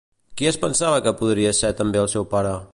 Qui es pensava que podria ser també el seu pare?